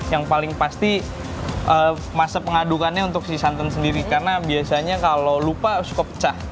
yang paling pasti masa pengadukannya untuk si santan sendiri karena biasanya kalau lupa cukup pecah